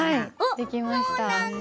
できました。